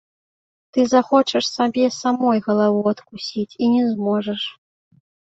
Ты захочаш сабе самой галаву адкусіць і не зможаш.